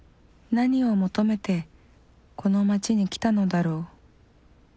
何を求めてこの街に来たのだろう。